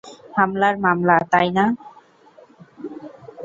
হামলার মামলা, তাই না?